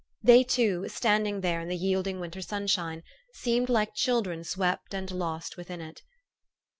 They two, standing there in the yielding winter sunshine, seemed like children swept and lost within it.